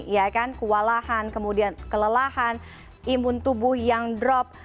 ya kan kewalahan kemudian kelelahan imun tubuh yang drop